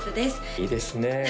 いいですね